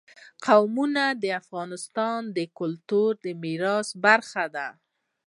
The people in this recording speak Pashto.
قومونه د افغانستان د کلتوري میراث برخه ده.